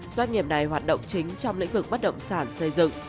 doanh nghiệp này hoạt động chính trong lĩnh vực bất động sản xây dựng